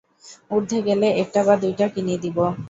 উর্ধ্বে গেলে একটা বা দুইটা কিনে দিবি।